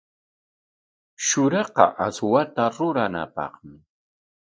Shuraqa aswata ruranapaqmi.